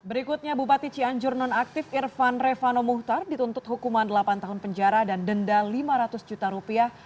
berikutnya bupati cianjur non aktif irfan revano muhtar dituntut hukuman delapan tahun penjara dan denda lima ratus juta rupiah